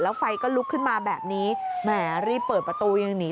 แล้วไฟก็ลุกขึ้นมาแบบนี้แหมรีบเปิดประตูยังหนี